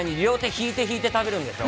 引いて引いて食べるんですか？